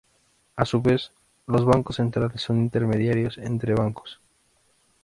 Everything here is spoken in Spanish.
A su vez, los bancos centrales son intermediarios entre bancos.